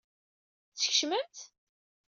Teskecmem-t?